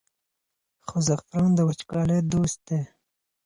خو زعفران د وچکالۍ دوست دی.